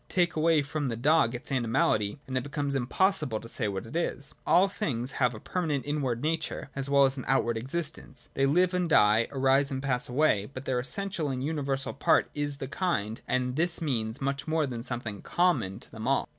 Take away from the dog its animality, and it be comes impossible to say what it is. All things have a permanent inward nature, as well as an outward existence. They live and die, arise and pass away ; but their essential and universal part is the kind ; and this means much more than something common to them all.